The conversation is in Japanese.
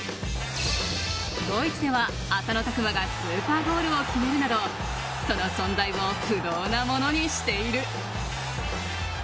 ドイツでは浅野拓磨がスーパーゴールを決めるなどその存在を不動のものにしている。